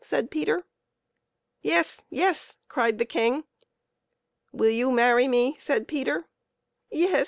said Peter. " Yes ! yes !" cried the King. " Will you marry me ?" said Peter. " Yes